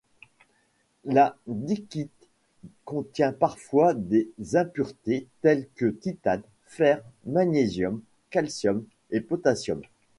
La dickite contient parfois des impuretés telles que titane, fer, magnésium, calcium et potassium.